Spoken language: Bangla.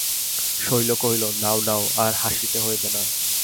শৈল কহিল, নাও নাও, আর হাসিতে হইবে না।